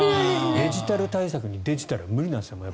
デジタル対策にデジタルは無理なんですよ。